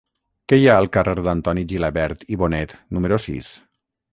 Què hi ha al carrer d'Antoni Gilabert i Bonet número sis?